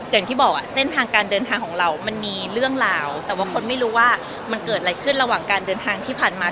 อย่างที่บอกเส้นทางการเดินทางของเรามันมีเรื่องราวแต่ว่าคนไม่รู้ว่ามันเกิดอะไรขึ้นระหว่างการเดินทางที่ผ่านมา